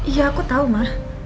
ya aku tau ma